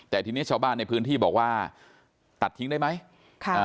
แต่ทีนี้ชาวบ้านในพื้นที่บอกว่าตัดทิ้งได้ไหมค่ะอ่า